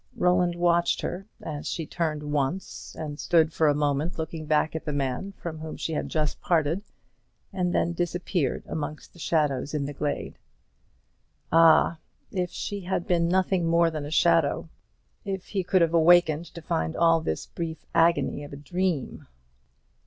Roland watched her as she turned once, and stood for a moment looking back at the man from whom she had just parted, and then disappeared amongst the shadows in the glade. Ah, if she had been nothing more than a shadow if he could have awakened to find all this the brief agony of a dream!